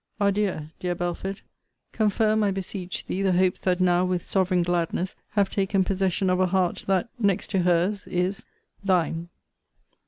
Adieu, dear Belford! Confirm, I beseech thee, the hopes that now, with sovereign gladness, have taken possession of a heart, that, next to her's, is Thine.